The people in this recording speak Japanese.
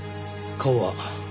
顔は？